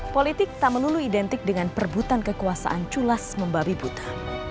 politik tak melulu identik dengan perbutan kekuasaan culas membabi buta